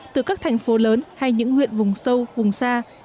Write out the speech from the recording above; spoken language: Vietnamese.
từ các thành phố lớn hay những huyện vùng sâu vùng xa